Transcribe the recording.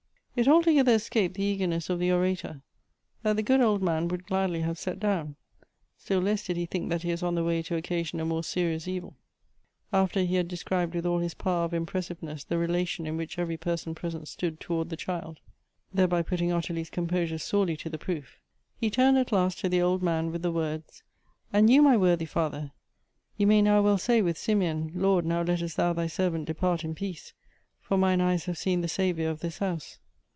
It altogether escaped the eagerness of the orator, that the good old man would gladly have set down ; still less did he think that he was on the way to occasion a more serious evil. After he had described with all his power of impressiveness the relation in which every person pres ent stood toward the child, thereby putting Ottilie's com posure sorely to the proof, he turned at last to the old man with the words, " And you, my worthy father, you may now well say with Simeon, ' Lord, now lettest thou thy servant depart in peace, for mine eyes have seen the saviour of this house.'